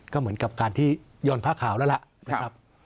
ก็เหมือนกับการที่ย่อนผ้าขาวแล้วล่ะนะครับ